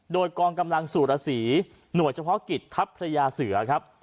โดยกองกำลังสุรสีหน่วยเฉพาะกิจทัพพระยาเสือครับ